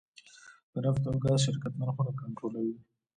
د نفت او ګاز شرکت نرخونه کنټرولوي؟